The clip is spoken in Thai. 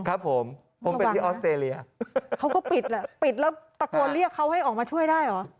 ครับผมผมเป็นที่ออสเตรเลียเขาก็ปิดแหละปิดแล้วตะโกนเรียกเขาให้ออกมาช่วยได้เหรอ